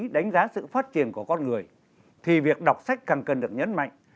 đánh giá sự phát triển của con người thì việc đọc sách càng cần được nhấn mạnh